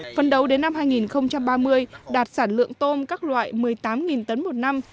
phần đầu đến năm hai nghìn ba mươi đạt sản lượng tôm các loại một mươi tám tấn một năm